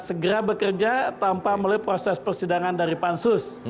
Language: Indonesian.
segera bekerja tanpa melalui proses persidangan dari pansus